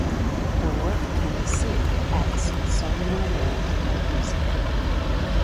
Her work can be seen at the Smithsonian American Art Museum.